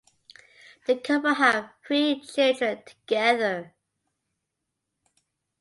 The couple have three children together.